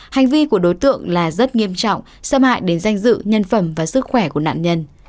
hành vi của đối tượng là rất nghiêm trọng xâm hại đến danh dự nhân phẩm và sức khỏe của nạn nhân